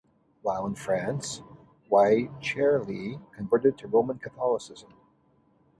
While in France, Wycherley converted to Roman Catholicism.